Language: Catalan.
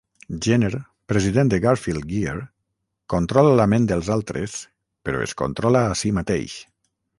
Jenner, president de Garfield Gear, controla la ment dels altres, però es controla a si mateix.